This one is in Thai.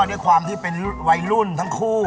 ด้วยความที่เป็นวัยรุ่นทั้งคู่